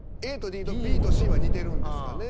ＡとＤとＢとＣは似てるんですかね。